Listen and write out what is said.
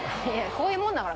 こういうもんだから。